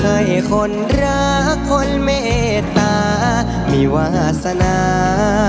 ให้คนรักคนเมตตามีวาสนา